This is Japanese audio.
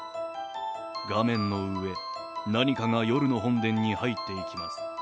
画面の上、何かが夜の本殿に入っていきます。